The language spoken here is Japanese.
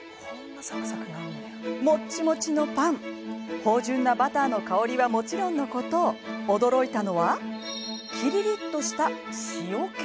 もっちもちのパン芳じゅんなバターの香りはもちろんのこと、驚いたのはキリリッとした塩気。